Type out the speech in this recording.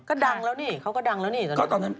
ก็ดังแล้วนี่เขาก็ดังแล้วนี่